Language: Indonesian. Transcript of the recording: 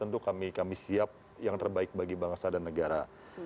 tentu kami siap yang terbaik bagi bangsa dan negara